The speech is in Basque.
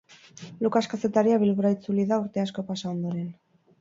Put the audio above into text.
Lukas kazetaria Bilbora itzuli da urte asko pasa ondoren.